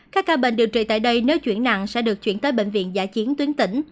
các ca bệnh điều trị tại đây nếu chuyển nặng sẽ được chuyển tới bệnh viện giả chiến tuyến tỉnh